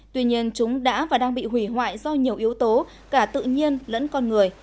tuy nhiên chúng đã và đang bị hủy hoại do nhiều yếu tố cả tự nhiên lẫn con người